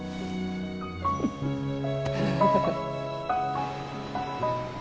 フフフフ。